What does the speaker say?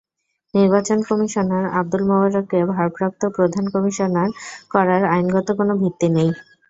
নির্বাচন কমিশনার আবদুল মোবারককে ভারপ্রাপ্ত প্রধান কমিশনার করার আইনগত কোনো ভিত্তি নেই।